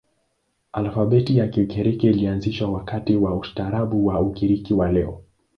Alfabeti ya Kigiriki ilianzishwa wakati wa ustaarabu wa Ugiriki wa leo.